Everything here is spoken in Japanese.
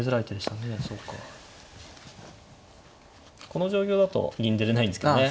この状況だと銀出れないんですけどね。